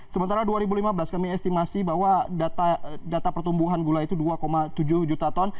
sementara dua ribu lima belas kami estimasi bahwa data pertumbuhan gula itu dua tujuh juta ton